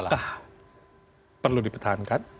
apakah perlu dipertahankan